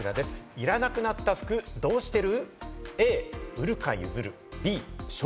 いらなくなった服どうしている？